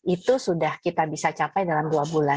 itu sudah kita bisa capai dalam dua bulan